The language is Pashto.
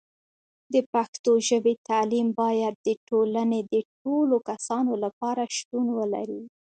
د پښتو ژبې تعلیم باید د ټولنې د ټولو کسانو لپاره شتون ولري.